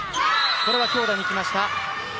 これは強打に行きました。